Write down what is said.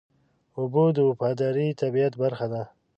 اوبه د وفادار طبیعت برخه ده.